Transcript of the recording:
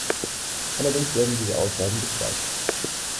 Allerdings werden diese Aussagen bezweifelt.